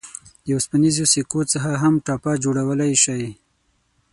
د اوسپنیزو سکو څخه هم ټاپه جوړولای شئ.